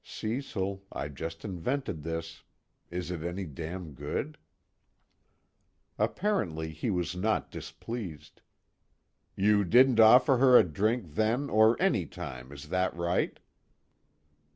Cecil, I just invented this: is it any damn good? Apparently he was not displeased. "You didn't offer her a drink then or any time, is that right?"